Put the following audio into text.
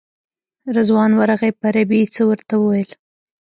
رضوان ورغی په عربي یې څه ورته وویل.